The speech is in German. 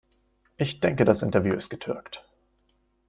Ich denke, das Interview ist getürkt.